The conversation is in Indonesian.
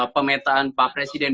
pemetaan pak presiden